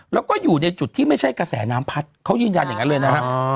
แล้วก็อยู่ในจุดที่ไม่ใช่กระแสน้ำพัดเขายืนยันอย่างนั้นเลยนะครับ